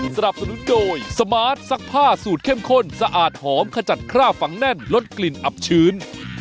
สนับสนุนโดยสมาร์ทซักผ้าสูตรเข้มข้นสะอาดหอมขจัดคราบฝังแน่นลดกลิ่นอับชื้น